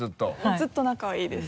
ずっと仲はいいです。